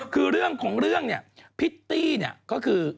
คือเรื่องของเรื่องเนี่ยพริตตี้เนี่ยก็คือ